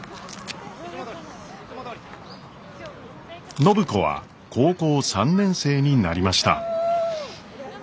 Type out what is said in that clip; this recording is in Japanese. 暢子は高校３年生になりました。